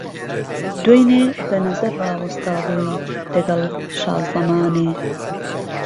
دوێنێ به نەزەر ڕاوهستا بووی دهگهڵ شازهمانێ